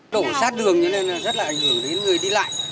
đổ sát đường cho nên là rất là ảnh hưởng đến người đi lại